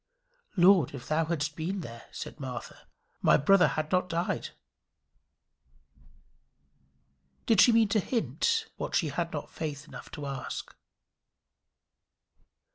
"Lord, if thou hadst been here," said Martha, "my brother had not died." Did she mean to hint what she had not faith enough to ask?